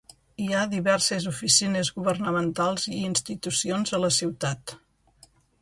Hi ha diverses oficines governamentals i institucions a la ciutat.